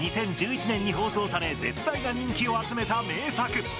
２０１１年に放送され絶大な人気を集めた名作。